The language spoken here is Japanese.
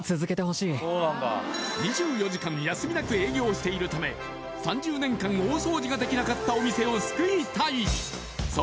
２４時間休みなく営業しているため、３０年間大掃除ができなかったお店を救いたい。